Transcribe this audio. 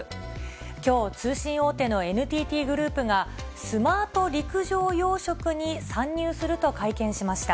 きょう、通信大手のＮＴＴグループが、スマート陸上養殖に参入すると会見しました。